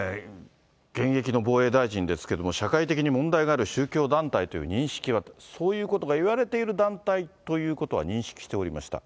現役の防衛大臣ですけれども、社会的に問題がある宗教団体という認識は、そういうことがいわれている団体ということは認識しておりました。